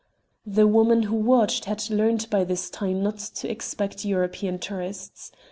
The woman who watched had learned by this time not to expect European tourists.